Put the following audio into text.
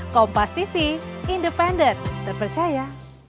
kompas tv independen terpercaya